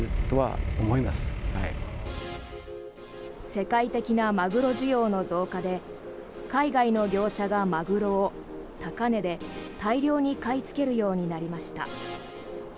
世界的なマグロ需要の増加で海外の業者がマグロを、高値で大量に買いつけるようになりました。